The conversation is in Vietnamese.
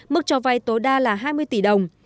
mức cho vay tối đa là hai mươi tỷ đồng